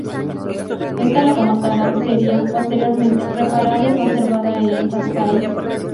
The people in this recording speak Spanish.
Esta locomotora sería, posteriormente, reparada y conservada en Cascais.